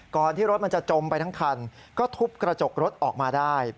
ที่รถมันจะจมไปทั้งคันก็ทุบกระจกรถออกมาได้